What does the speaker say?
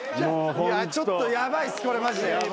ちょっとヤバいっすこれマジで。